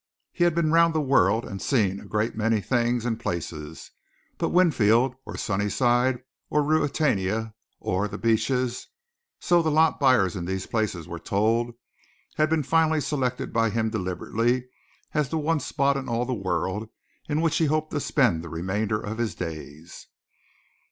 He had been round the world and seen a great many things and places, but Winfield or Sunnyside or Ruritania or The Beeches, so the lot buyers in these places were told, had been finally selected by him deliberately as the one spot in all the world in which he hoped to spend the remainder of his days.